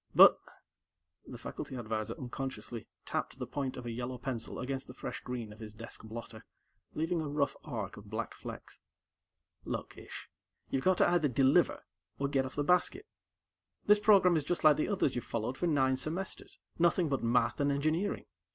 "But " The faculty advisor unconsciously tapped the point of a yellow pencil against the fresh green of his desk blotter, leaving a rough arc of black flecks. "Look, Ish, you've got to either deliver or get off the basket. This program is just like the others you've followed for nine semesters; nothing but math and engineering.